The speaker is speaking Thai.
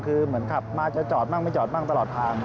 คือเหมือนขับมาจะจอดมั่งไม่จอดบ้างตลอดทาง